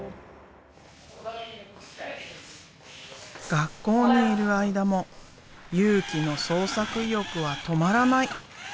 学校にいる間も佑貴の創作意欲は止まらない！